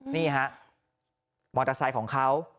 นี่ฮะมอเตอร์ไซค์ของเขา